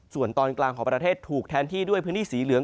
ส่วนตอนกลางของประเทศถูกแทนที่ด้วยพื้นที่สีเหลือง